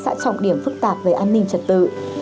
xã trọng điểm phức tạp về an ninh trật tự